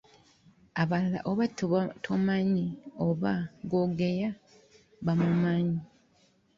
Abalala oba tomanyi oba gw’ogeya bamumanyi.